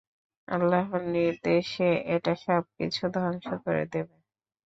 আল্লাহর নির্দেশে এটা সবকিছু ধ্বংস করে দেবে।